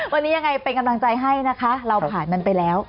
วันนี้ยังไงเป็นกำลังใจให้นะคะเราผ่านมันไปแล้ว